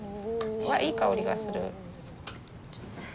わっいい香りがする。